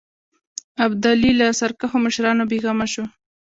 ابدالي له سرکښو مشرانو بېغمه شو.